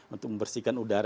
untuk membersihkan udara